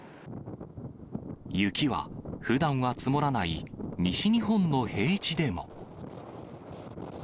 雪は、ふだんは積もらない西日本の平地でも。